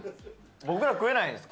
僕ら、食えないんですか。